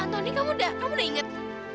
antoni kamu udah inget